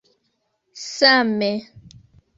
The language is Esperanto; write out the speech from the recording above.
same